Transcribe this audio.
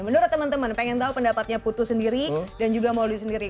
menurut teman teman pengen tahu pendapatnya putu sendiri dan juga mouldie sendiri